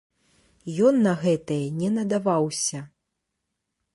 Ён на гэтае не надаваўся.